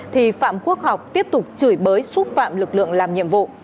thì phạm quốc học tiếp tục chửi bới xúc phạm lực lượng làm nhiệm vụ